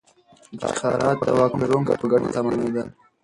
افتخارات د واک لرونکو په ګټه تمامېدل.